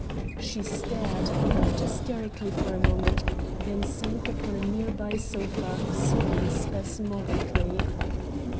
She stared, laughed hysterically for a moment, then sank upon a near by sofa, sobbing spasmodically.